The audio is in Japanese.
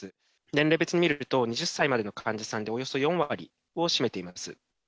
年齢別で見ると、２０歳までの患者さんで、およそ４割を占めています。